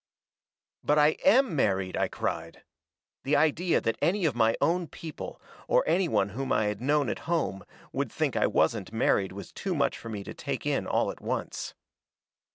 "'But I AM married!' I cried. The idea that any of my own people, or any one whom I had known at home, would think I wasn't married was too much for me to take in all at once.